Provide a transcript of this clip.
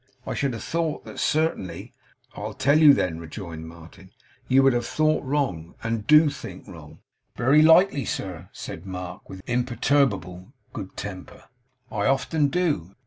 I should have thought that, certainly.' 'I tell you, then,' rejoined Martin, 'you would have thought wrong, and do think wrong.' 'Very likely, sir,' said Mark, with imperturbable good temper. 'I often do.